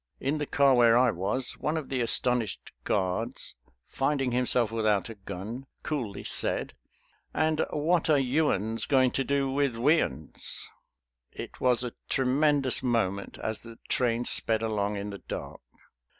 In the car where I was, one of the astonished guards, finding himself without a gun, coolly said: "And what are you 'uns going to do with we 'uns?" It was a tremendous moment, as the train sped along in the dark.